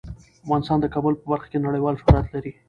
افغانستان د کابل په برخه کې نړیوال شهرت لري.